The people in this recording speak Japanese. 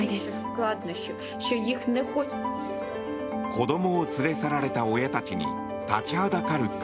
子供を連れ去られた親たちに立ちはだかる壁。